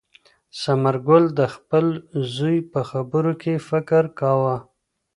ثمر ګل د خپل زوی په خبرو کې فکر کاوه.